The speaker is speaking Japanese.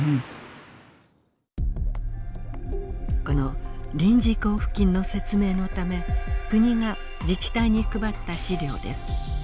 この臨時交付金の説明のため国が自治体に配った資料です。